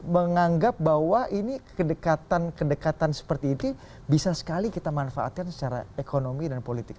menganggap bahwa ini kedekatan kedekatan seperti itu bisa sekali kita manfaatkan secara ekonomi dan politik